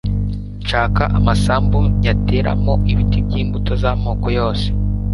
nshaka amasambu nyateramo ibiti by'imbuto z'amoko yose